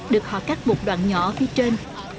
được họ cắt một đoạn nhỏ phía trên